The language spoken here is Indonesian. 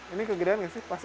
ini kegedean nggak sih pas